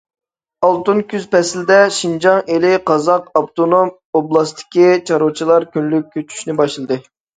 ئالتۇن كۈز پەسلىدە، شىنجاڭ ئىلى قازاق ئاپتونوم ئوبلاستىدىكى چارۋىچىلار كۈزلۈك كۆچۈشنى باشلىدى.